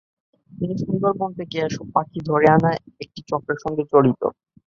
তিনি সুন্দরবন থেকে এসব পাখি ধরে আনা একটি চক্রের সঙ্গে জড়িত।